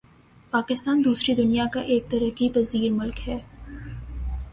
پاکستان دوسری دنیا کا ایک ترقی پزیر ملک ہے